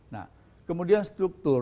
nah kemudian struktur